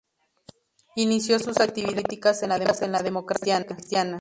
Inició sus actividades políticas en la Democracia Cristiana.